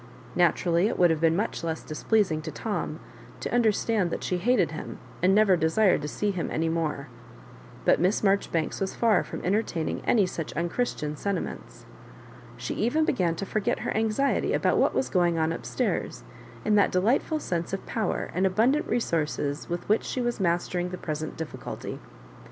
Naturally it would have been much less displeasing to Tom to understand that she hated him, and never desired to see him any more. But Miss Marjoribanks was far from entertaining any such unchristian sentiments. She even be gan to forget her anxiety about what was going on up stairs in that delightful sense of power and abundant resources with which she was master ing the present difficulty.